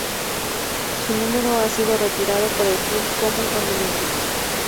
Su número ha sido retirado por el club como homenaje.